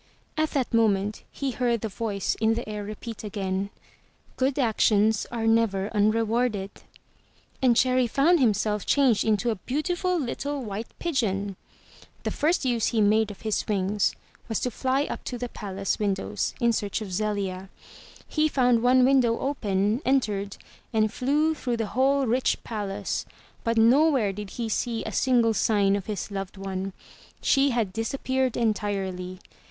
At that moment he heard the voice in the air repeat again: *'Good actions are never unrewarded/* and Cherry found him self changed into a beautiful little white pigeon. The first use he made of his wings was to fly up to the palace windows in search of Zelia. He found one window open, entered, and flew through the whole rich palace, but nowhere did he see a single sign of his loved one. She had disappeared entirely.